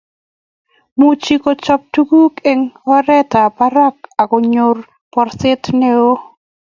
muuch kochop tuguk eng oretab barak ago nyoor borset neo